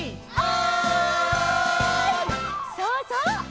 そうそう！